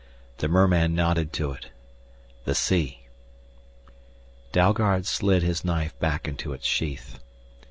The merman nodded to it. "The sea " Dalgard slid his knife back into its sheath.